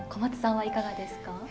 小松さんはいかがですか？